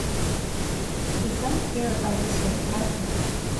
It is unclear how this would have happened.